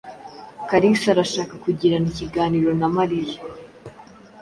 Kalisa arashaka kugirana ikiganiro na Mariya.